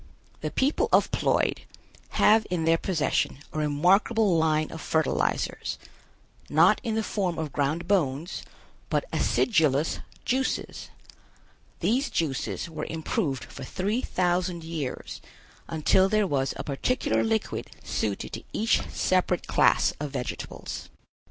The people of Ploid have in their possession a remarkable line of fertilizers, not in the form of ground bones, but acidulous juices. These juices were improved for three thousand years until there was a particular liquid suited to each separate class of vegetables.